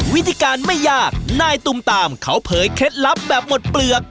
วิธีการไม่ยากนายตุมตามเขาเผยเคล็ดลับแบบหมดเปลือก